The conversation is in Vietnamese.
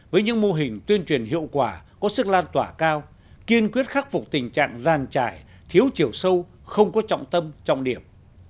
với những mô hình tuyên truyền hiệu quả có sức lan tỏa cao kiên quyết khắc phục tình trạng gian trải thiếu chiều sâu không có trọng tâm trọng điểm